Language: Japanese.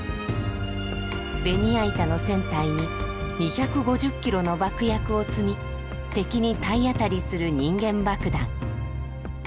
ベニヤ板の船体に２５０キロの爆薬を積み敵に体当たりする人間爆弾。